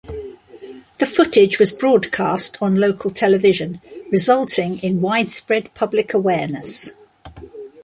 The footage was broadcast on local television, resulting in widespread public awareness.